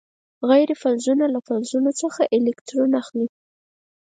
غیر فلزونه له فلزونو څخه الکترون اخلي.